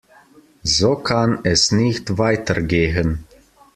So kann es nicht weitergehen.